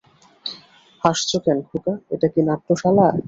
হাসচো কেন খোকা, এটা কি নাট্যশালা?